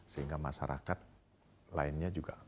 sehingga masyarakat lainnya juga